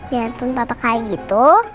ya ampun papa kayak gitu